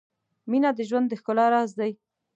• مینه د ژوند د ښکلا راز دی.